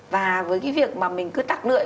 và với cái việc mà mình cứ tặng lưỡi